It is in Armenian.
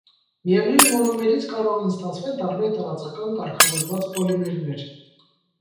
Միևնույն մոնոմերից կարող են ստացվել տարբեր տարածական կարգավորված պոլիմերներ։